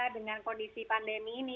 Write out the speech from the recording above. dengan kondisi pandemi ini